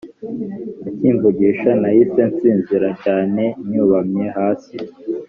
akimvugisha nahise nsinzira cyane ncyubamye hasi